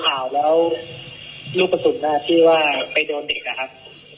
ข่าวแล้วลูกกระสุนที่ว่าไปโดนเด็กนะครับ